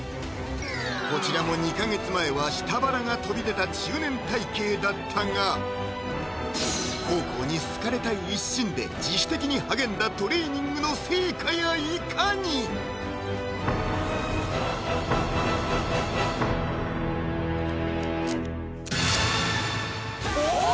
こちらも２か月前は下腹が飛び出た中年体形だったが黄皓に好かれたい一心で自主的に励んだトレーニングの成果やいかに⁉おぉっ